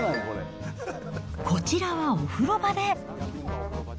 こちらはお風呂場で。